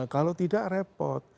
kalau tidak repot